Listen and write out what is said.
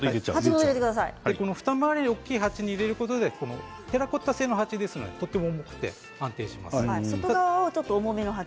ふた回り大きな鉢に入れることでテラコッタ製の鉢ですけれどもとても重くて安定します。